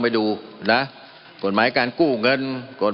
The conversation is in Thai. มันมีมาต่อเนื่องมีเหตุการณ์ที่ไม่เคยเกิดขึ้น